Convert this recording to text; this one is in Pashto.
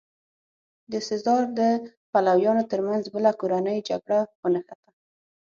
د سزار د پلویانو ترمنځ بله کورنۍ جګړه ونښته.